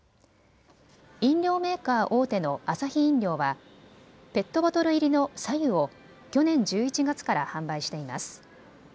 飲料メーカー大手のアサヒ飲料はペットボトル入りのさ湯を去年１１月から販売しています。